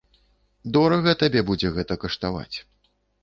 Дорага табе будзе гэта каштаваць.